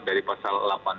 dari pasal delapan puluh